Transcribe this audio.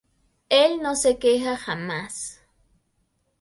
Él no se queja jamás.